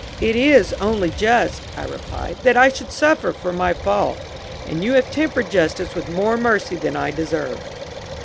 "It is only just," I replied, "that I should suffer for my fault, and you have tempered justice with more mercy than I deserve."